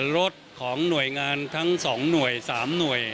รถของหน่วยงานทั้ง๒หน่วย๓หน่วย